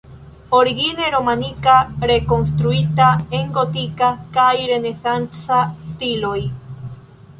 Origine romanika, rekonstruita en gotika kaj renesanca stiloj.